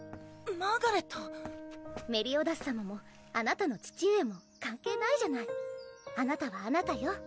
マーガレットメリオダス様もあなたの父上も関係ないじゃないあなたはあなたよ。